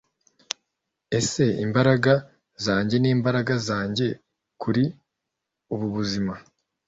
ese imbaraga zanjye n'imbaraga zanjye kuri ubu buzima